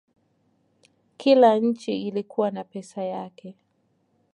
Kila nchi ilikuwa na pesa yake.